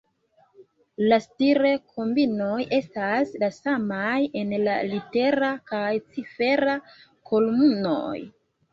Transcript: La stir-kombinoj estas la samaj en la litera kaj cifera kolumnoj.